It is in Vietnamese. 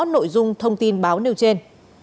nội dung thông tin báo nêu trên